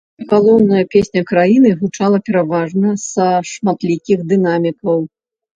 Галоўная песня краіны гучала пераважна са шматлікіх дынамікаў.